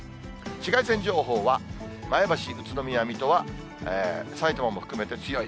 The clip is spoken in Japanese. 紫外線情報は、前橋、宇都宮、水戸は、さいたまも含めて強い。